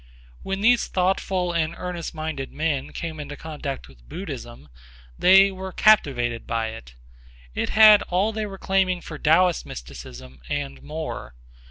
When these thoughtful and earnest minded men came into contact with Buddhism they were captivated by it. It had all they were claiming for Taoist mysticism and more.